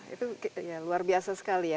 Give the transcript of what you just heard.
itu luar biasa sekali ya